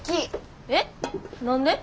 えっ何で？